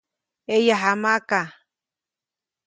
ʼEyajamaʼka.